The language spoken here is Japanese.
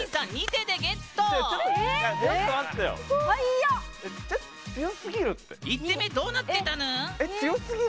１手目、どうなってたぬーん？